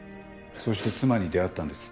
そして妻に出会ったんです。